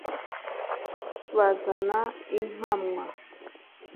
bazana inkamwa.